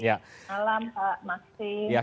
selamat malam pak maksi